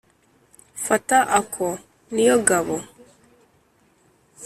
Fata ako ni yo gabo.